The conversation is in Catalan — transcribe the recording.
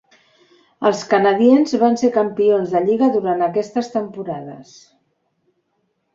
Els Canadiens van ser campions de lliga durant aquestes temporades.